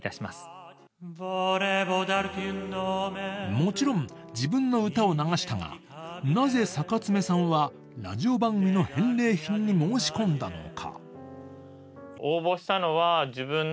もちろん自分の疑いを流したが、なぜ坂爪さんはラジオ番組の返礼品に申し込んだのか。